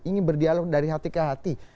ingin berdialog dari hati ke hati